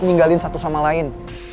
dan tinggalin satu sama lain